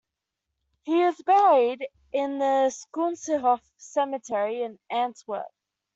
He is buried in the Schoonselhof Cemetery in Antwerp.